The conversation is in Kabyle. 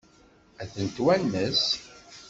Ad ten-twanes?